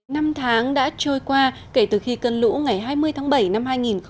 năm tháng đã trôi qua kể từ khi cơn lũ ngày hai mươi tháng bảy năm hai nghìn một mươi chín